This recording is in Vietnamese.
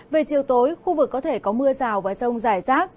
về chiều tối khu vực có thể có mưa rào và rông rải rác